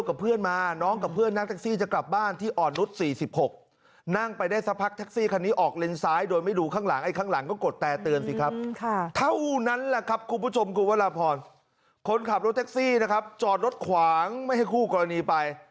คนขับรถแท็กซี่นะครับจอดรถขวางไม่ให้คู่กรณีไป